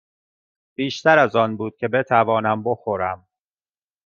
بیشتر از آن بود که بتوانم بخورم.